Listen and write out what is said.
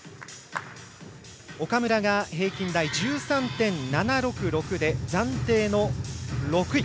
岡村が平均台１３．７６６で暫定の６位。